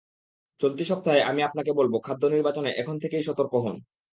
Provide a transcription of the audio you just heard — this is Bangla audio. চলতি সপ্তাহে আমি আপনাকে বলব, খাদ্য নির্বাচনে এখন থেকেই সতর্ক হোন।